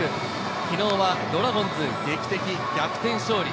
昨日はドラゴンズ、劇的逆転勝利。